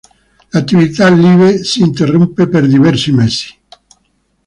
L'attività live si interrompe per diversi mesi.